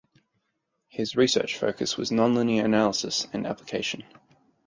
His research focus was nonlinear analysis and applications.